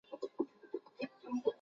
也被称为射击者部队。